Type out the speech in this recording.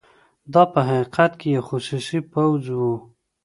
دا په حقیقت کې یو خصوصي پوځ وو.